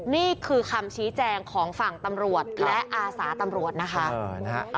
นี่คือคำชี้แจงของฝั่งตำรวจและอาสาตำรวจนะคะ